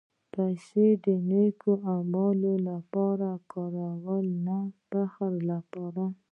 پېسې د نېک عملونو لپاره وکاروه، نه د فخر لپاره.